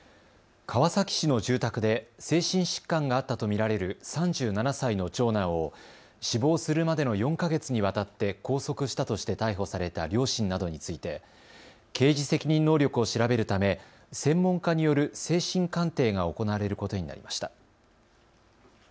川崎市の住宅で精神疾患があったと見られる３７歳の長男を死亡するまでの４か月にわたって拘束したとして逮捕された両親などについて刑事責任能力を調べるため専門家による精神鑑定が行われることになりました。